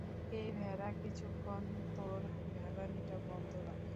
এই ভেড়া, কিছুক্ষণ তোর ভ্যাবানিটা বন্ধ রাখ।